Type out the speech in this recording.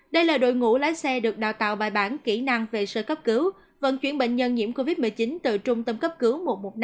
đây là đội ngũ lái xe được đào tạo bài bản kỹ năng về sơ cấp cứu vận chuyển bệnh nhân nhiễm covid một mươi chín từ trung tâm cấp cứu một trăm một mươi năm